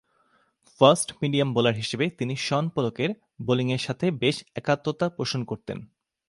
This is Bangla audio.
ফাস্ট-মিডিয়াম বোলার হিসেবে তিনি শন পোলকের বোলিংয়ের সাথে বেশ একাত্মতা পোষণ করতেন।